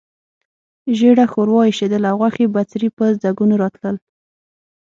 ژېړه ښوروا اېشېدله او غوښې بڅري په ځګونو راتلل.